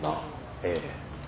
ええ。